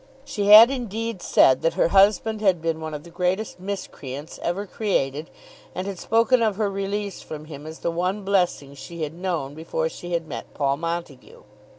She had indeed said that her husband had been one of the greatest miscreants ever created, and had spoken of her release from him as the one blessing she had known before she had met Paul Montague.